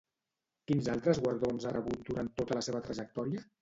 Quins altres guardons ha rebut durant tota la seva trajectòria?